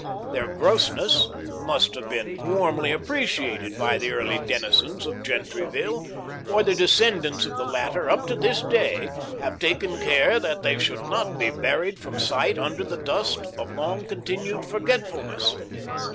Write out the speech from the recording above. Their grossness must have been warmly appreciated by the early denizens of Gentryville, for the descendants of the latter up to this day have taken care that they should not be buried from sight under the dust of long continued forgetfulness.